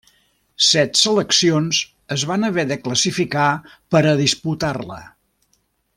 Set seleccions es van haver de classificar per a disputar-la.